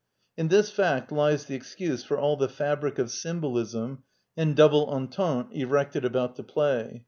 In this fact lies the excuse for all the fabric of symbolism and double entente erected about the play.